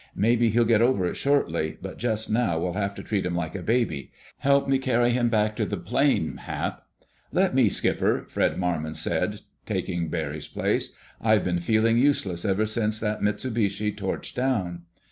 Maybe he'll get over it shortly, but just now we'll have to treat him like a baby. Help me carry him back to the plane, Hap." "Let me, Skipper!" Fred Marmon said, taking Barry's place. "I've been feeling useless ever since that Mitsubishi torched down."